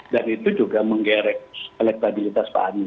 dan itu juga menggerek elektabilitas pak anis